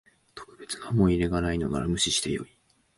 特別な思い入れがないのなら無視してよい